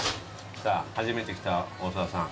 さあ初めて来た大沢さん